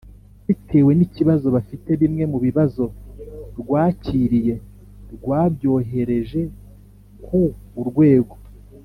bitewe n ikibazo bafite Bimwe mu bibazo rwakiriye rwabyohereje ku Urwego